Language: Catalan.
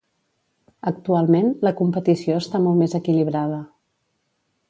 Actualment, la competició està molt més equilibrada.